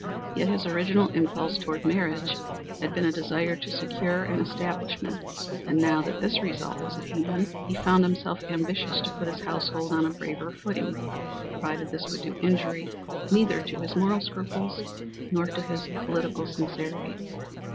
Yet his original impulse toward marriage had been a desire to secure an establishment, and now that this result was at hand he found himself ambitious to put his household on a braver footing, provided this would do injury neither to his moral scruples nor to his political sincerity.